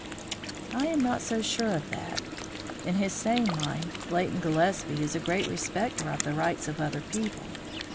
"I am not so sure of that. In his sane mind, Leighton Gillespie is a great respecter of the rights of other people.